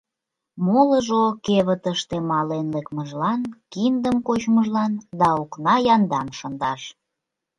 Молыжо кевытыште мален лекмыжлан, киндым кочмыжлан да окна яндам шындаш.